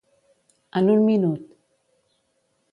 En un minut.